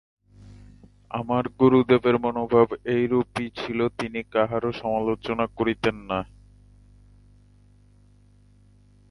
আমার গুরুদেবের মনোভাব এইরূপই ছিল, তিনি কাহারও সমালোচনা করিতেন না।